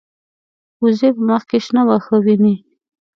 وزې په مخ کې شنه واښه ویني